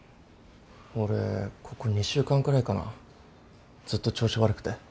俺ここ２週間くらいかなずっと調子悪くて。